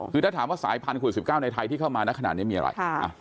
คือถ้าถามว่าสายพันธุ๑๙ในไทยที่เข้ามานะขนาดนี้มีอะไร